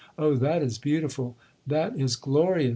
'—'Oh that is beautiful!—that is glorious!'